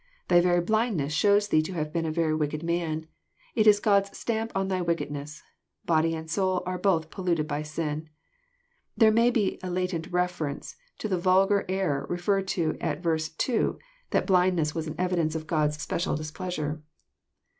'* Thy very blindness shows thee to have been a very wicked man. It is God's stampTm thy^wickedness. Body and soul are both pollu ted by sinT"" There may be a latent ref erence to the vulgar error referred to at verse 2, that blindness was an evidence of God's special displeasure.